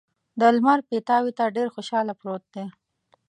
د لمر پیتاوي ته ډېر خوشحاله پروت دی.